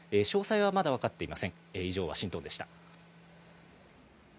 詳細はまだ分かっていません。